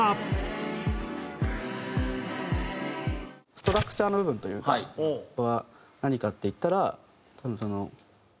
ストラクチャーの部分というか何かっていったら多分その。